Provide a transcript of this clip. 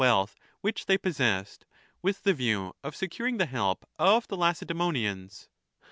wealth which they possessed, with the view of securing the help of the Lacedaemonians.